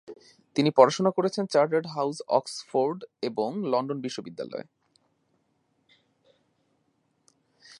তিনি পড়াশোনা করেছেন চার্টার হাউস অক্সফোর্ড এবং লন্ডন বিশ্ববিদ্যালয়ে।